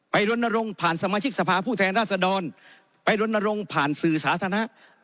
ไปล้นนรงค์ผ่านสมาชิกสภาผู้แทนราษฎรไปล้นนรงค์ผ่านสื่อสาธารณะ